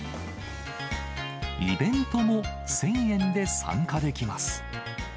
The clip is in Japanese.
イベントも１０００円で参加できます。